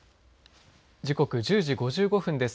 時刻、１０時５５分です。